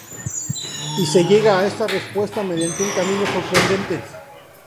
Y se llega a esta respuesta mediante un camino sorprendente.